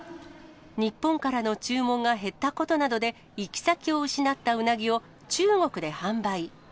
日本からの注文が減ったことなどで、行き先を失ったうなぎを、中国で販売。